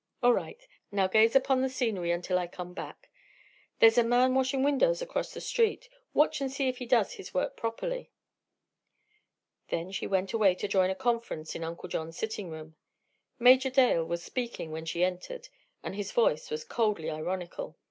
All right. Now gaze upon the scenery until I come back. There's a man washing windows across the street; watch and see if he does his work properly." Then she went away to join a conference in Uncle John's sitting room. Major Doyle was speaking when she entered and his voice was coldly ironical.